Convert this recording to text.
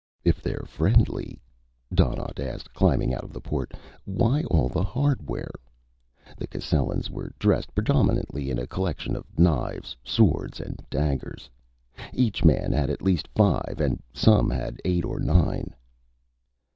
"If they're friendly," Donnaught asked, climbing out of the port, "why all the hardware?" The Cascellans were dressed predominantly in a collection of knives, swords and daggers. Each man had at least five, and some had eight or nine.